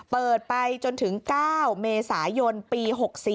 เปิดไปจนถึง๙เมษายนปี๖๔